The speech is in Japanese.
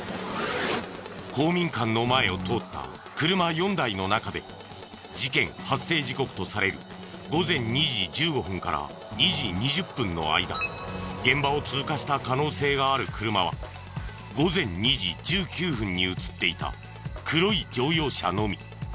公民館の前を通った車４台の中で事件発生時刻とされる午前２時１５分から２時２０分の間現場を通過した可能性がある車は午前２時１９分に映っていた黒い乗用車のみ。